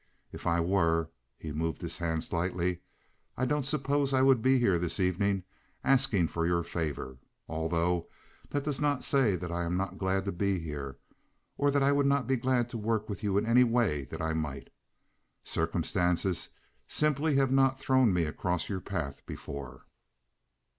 If I were"—he moved his hand slightly—"I don't suppose I would be here this evening asking for your favor, although that does not say that I am not glad to be here, or that I would not be glad to work with you in any way that I might. Circumstances simply have not thrown me across your path before."